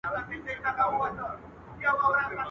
د لرګیو یې پر وکړله وارونه.